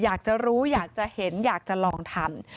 อยากจะรู้อยากจะเห็นอยากจะลองทำ